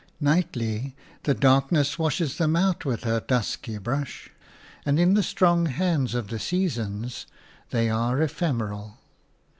Nightly the darkness washes them out with her dusky brush, and in the strong hands of the seasons they are ephemeral.